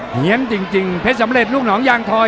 เหี้ยนจริงเพชรสำเร็จลูกหนองยางทอย